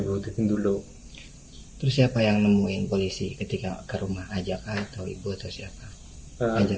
diudukin dulu terus siapa yang nemuin polisi ketika ke rumah ajak atau ibu atau siapa ajak